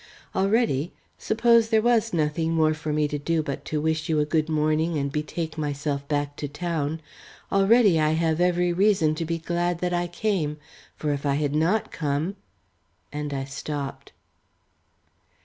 Already, suppose there was nothing more for me to do but to wish you a good morning and betake myself back to town already I have every reason to be glad that I came, for if I had not come " and I stopped.